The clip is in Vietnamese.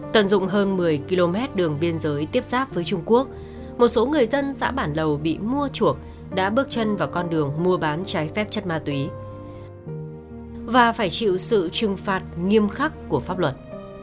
tận dụng hơn một mươi km đường biên giới tiếp xác với trung quốc một số người dân xã bản lầu bị mua chuộc đã bước chân vào con đường mua bán trái phép chất ma túy và phải chịu sự trừng phạt nghiêm khắc của pháp luật